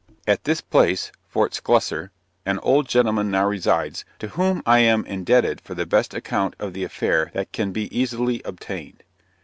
At this place, (Fort Sclusser,) an old gentleman now resides, to whom I am indebted for the best account of the affair that can be easily obtained.